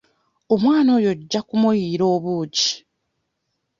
Omwana oyo ojja kumuyiira obuugi.